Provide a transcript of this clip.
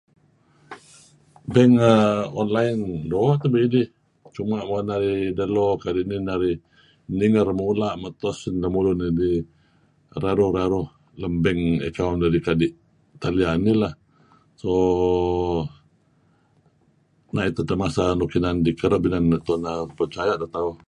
Bank err online doo' tebe' idih cuma' narih delo kadi' narih ninger mula' meto esin lemulun dedih raruh-raruh let lem bank account dedih kadi' talian ih leh so na'it edteh masa nuk inan idih percaya' teh tauh.